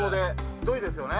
ひどいですよね。